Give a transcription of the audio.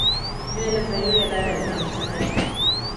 Nywele za yule dada zinametameta